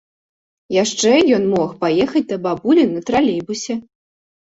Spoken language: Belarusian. Яшчэ ён мог паехаць да бабулі на тралейбусе.